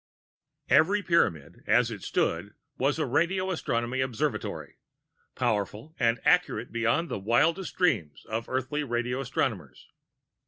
Each Pyramid as it stood was a radio astronomy observatory, powerful and accurate beyond the wildest dreams of Earthly radio astronomers.